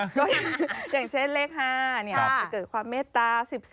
อย่างเช่นเลข๕จะเกิดความเมตตา๑๔